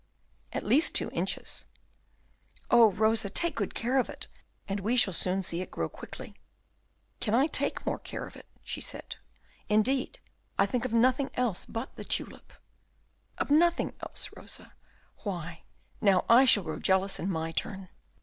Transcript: "At least two inches." "Oh, Rosa, take good care of it, and we shall soon see it grow quickly." "Can I take more care of it?" said she. "Indeed, I think of nothing else but the tulip." "Of nothing else, Rosa? Why, now I shall grow jealous in my turn."